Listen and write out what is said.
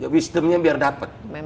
wisdomnya biar dapat